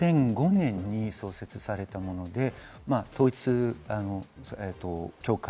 ＵＰＦは２００５年に創設されたものです。